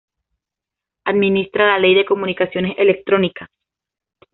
Administra la "Ley de Comunicaciones Electrónicas".